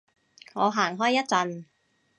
我行開一陣